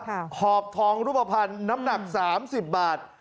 หอบทองรูปภัณฑ์น้ำหนักสามสิบบาท